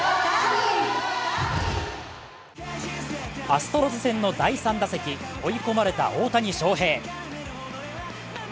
アストロズ戦の第３打席、追い込まれた大谷翔平。